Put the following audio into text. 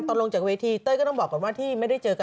ลงจากเวทีเต้ยก็ต้องบอกก่อนว่าที่ไม่ได้เจอกัน